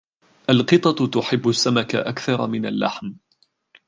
القطط تحب السمك أكثر من اللحم.